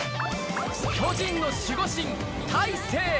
巨人の守護神、大勢。